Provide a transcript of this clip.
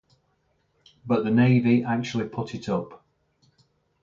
But the Navy actually put it up.